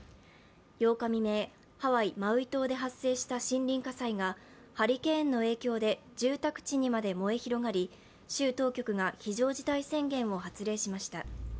８日未明、ハワイ・マウイ島で発生した森林火災がハリケーンの影響で住宅地にまで燃え広がり州当局が非常事態宣言を発令しました。